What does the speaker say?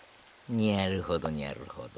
にゃるほどにゃるほど。